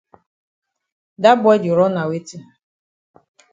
Dat boy di run na weti?